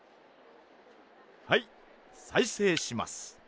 はい再生します。